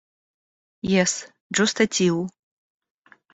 Jes, ĝuste tiu.